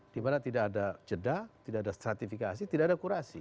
di mana tidak ada jeda tidak ada stratifikasi tidak ada kurasi